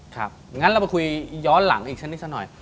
ครับงั้นเรามาคุยย้อนหลังอีกชนิดนิดหน่อย